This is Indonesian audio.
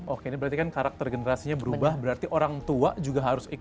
oke ini berarti kan karakter generasinya berubah berarti orang tua juga harus ikut